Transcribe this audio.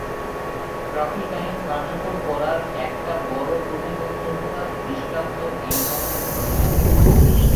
Traffic আইন কার্যকর করার একটা বড় প্রতিবন্ধকতার দৃষ্টান্ত এই ধরনের ঘটনা।